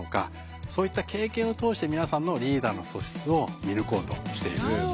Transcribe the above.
そういった経験を通して皆さんのリーダーの素質を見抜こうとしているものになります。